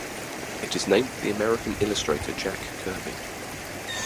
It is named for the American illustrator Jack Kirby.